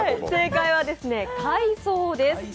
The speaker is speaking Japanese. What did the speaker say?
正解は海藻です。